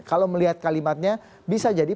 kalau melihat kalimatnya bisa jadi